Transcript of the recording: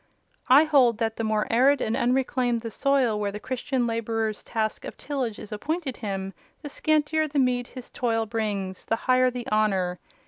I hold that the more arid and unreclaimed the soil where the Christian labourer's task of tillage is appointed him—the scantier the meed his toil brings—the higher the honour.